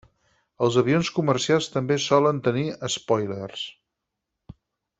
Els avions comercials també solen tenir espòilers.